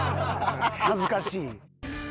恥ずかしい。